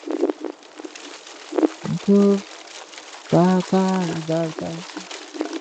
ঘাড়ে প্রচণ্ড ব্যথা এবং বাঁ হাতটা অবিরাম ব্যথার কারণে শক্ত হয়ে উঠেছে।